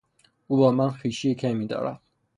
او با من خویشی کمی دارد.